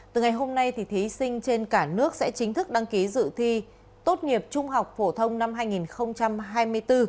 từ ngày hôm nay thí sinh trên cả nước sẽ chính thức đăng ký dự thi tốt nghiệp trung học phổ thông năm hai nghìn hai mươi bốn